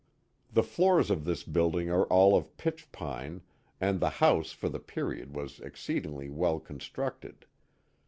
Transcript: The floors of this building are all of pitch pine and the house for the period was exceedingly well constructed.